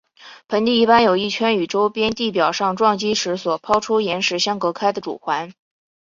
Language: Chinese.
盆地一般有一圈与周边地表上撞击时所抛出岩石相隔开的主环。